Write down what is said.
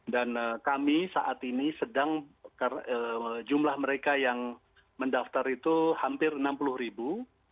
dan kami saat ini sedang jumlah mereka yang mendaftar itu hampir enam puluh ribu